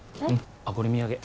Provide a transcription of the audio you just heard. あっこれ土産。